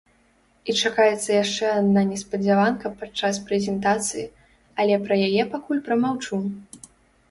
І чакаецца яшчэ адна неспадзяванка падчас прэзентацыі, але пра яе пакуль прамаўчу!